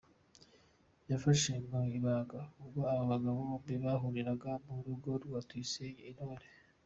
yafashe mu ibanga ubwo aba bagabo bombi bahuriraga mu rugo kwa Tuyisenge Intore.